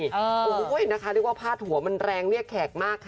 โอ้โอ้ไม่คนาที่เขาตามได้ว่าผ้าดหัวมันแรงมีแยกมาก